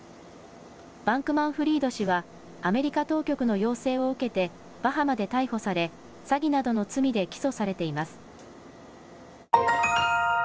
バンクマンフリード氏は、アメリカ当局の要請を受けて、バハマで逮捕され、詐欺などの罪で起訴されています。